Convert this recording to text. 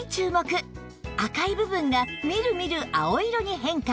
赤い部分がみるみる青色に変化